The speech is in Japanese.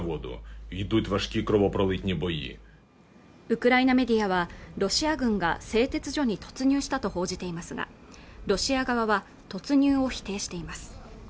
ウクライナメディアはロシア軍が製鉄所に突入したと報じていますがロシア側は突入を否定しています